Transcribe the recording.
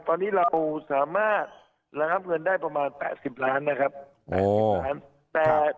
ตอนนี้เราสามารถระงับเงินได้ประมาณแปดสิบล้านนะครับแปดสิบล้าน